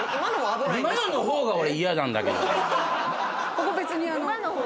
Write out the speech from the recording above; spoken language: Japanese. ここ別に。